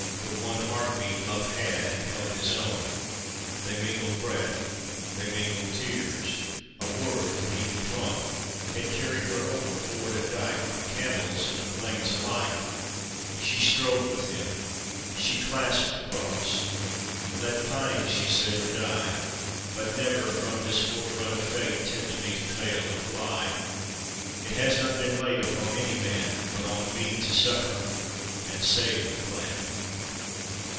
For one heart beat Love had and held his own : They mingled breath, they mingled tears — A word and he had flown, Had carried her over ford and dyke . From Campbells and MacLeans alike. She strove with him, she clasped the cross: " Let pine," she said, " or die,. But never from this fore front of fate Tempt me to fail or fly; It has not been laid upon any man, But on me to suffer and save the clan.